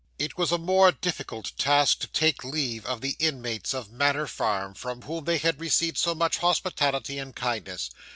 It was a more difficult task to take leave of the inmates of Manor Farm, from whom they had received so much hospitality and kindness.